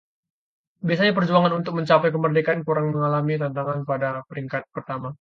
biasanya perjuangan untuk mencapai kemerdekaan kurang mengalami tantangan pada peringkat pertama